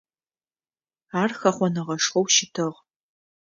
Ар хэхъоныгъэшхоу щытыгъ.